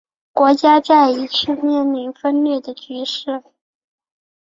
国家再一次面临分裂的局势。